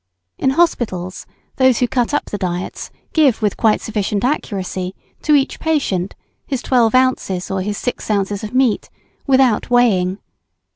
In hospitals those who cut up the diets give with sufficient accuracy, to each patient, his 12 oz. or his 6 oz. of meat without weighing.